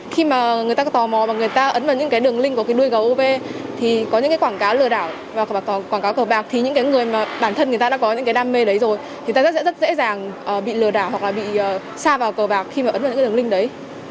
khi mà người ta có tò mò và người ta ấn vào những cái đường link của cái nuôi gấuv thì có những cái quảng cáo lừa đảo và quảng cáo cờ bạc thì những cái người mà bản thân người ta đã có những cái đam mê đấy rồi thì ta rất sẽ rất dễ dàng bị lừa đảo hoặc là bị xa vào cờ bạc khi mà ấn vào những cái đường link đấy